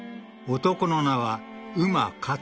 ［男の名は］